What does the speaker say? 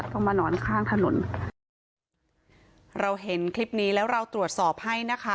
ต้องมานอนข้างถนนเราเห็นคลิปนี้แล้วเราตรวจสอบให้นะคะ